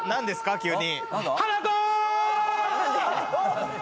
急に。